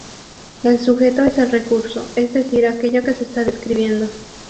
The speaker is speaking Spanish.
El sujeto es el recurso, es decir aquello que se está describiendo.